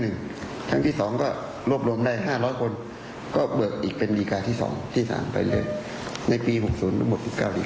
สมมติได้๑๐๐คนก็เบิกดีการิมาเพื่อเบิกจ่ายให้กับกลุ่มคนพวกนี้๑๐๐คนครั้งที่๑